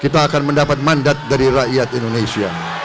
kita akan mendapat mandat dari rakyat indonesia